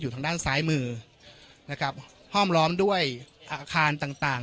ทางด้านซ้ายมือนะครับห้อมล้อมด้วยอาคารต่างต่าง